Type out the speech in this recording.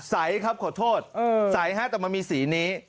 ใสครับขอโทษใสฮะแต่มันมีสีนี้